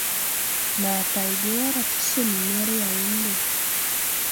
Nàa tayge wara ti seminɛr Yawunde.